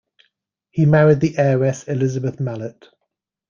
He married the heiress Elizabeth Malet.